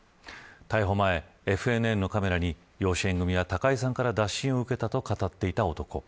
逮捕前、ＦＮＮのカメラに養子縁組や高井さんから打診を受けたと語っていた男。